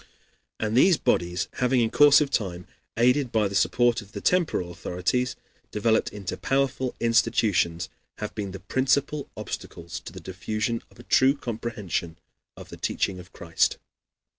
And these bodies, having in course of time, aided by the support of the temporal authorities, developed into powerful institutions, have been the principal obstacles to the diffusion of a true comprehension of the teaching of Christ.